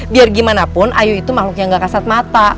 biar gimana pun ayu itu makhluk yang gak kasat mata